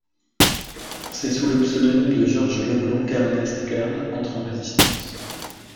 C'est sous le pseudonyme de Georges Leblond qu'Ernest Kern entre en résistance.